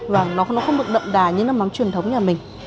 và nó không được đậm đà như nước mắm truyền thống nhà mình